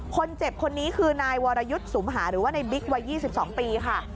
คนเจ็บคนนี้คือนายวรยุทธ์สุมหาหรือว่าในบิ๊กวัย๒๒ปีค่ะ